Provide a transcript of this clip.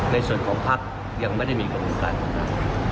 ในส่วนของภักดิ์ยังไม่ได้มีคำมือการมาตั้ง